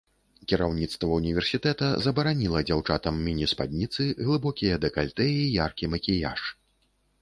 Кіраўніцтва ўніверсітэта забараніла дзяўчатам міні-спадніцы, глыбокія дэкальтэ і яркі макіяж.